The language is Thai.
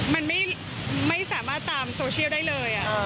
มันไม่สามารถตามโซเชียลได้เลย